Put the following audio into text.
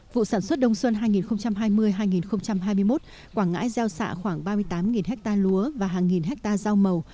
vụ sản xuất đông xuân hai nghìn hai mươi hai nghìn hai mươi một quảng ngãi gieo xạ khoảng ba mươi tám ha lúa và hàng nghìn hectare rau màu